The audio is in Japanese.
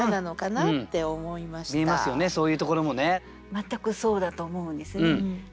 全くそうだと思うんですね。